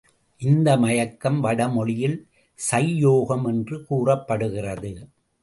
இந்த மயக்கம் வடமொழியில் சையோகம் என்று கூறப்படுகிறது.